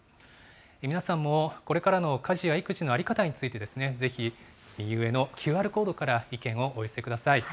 皆さんも、これからの家事や育児の在り方について、ぜひ、右上のＱＲコードから意見をお寄せください。